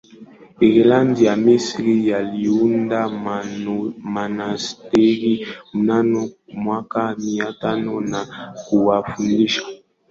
Ireland Wamisri waliunda monasteri mnamo mwaka Mia tano na kufundisha